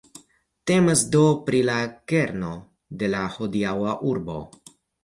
Temas do pri la kerno de la hodiaŭa urbo.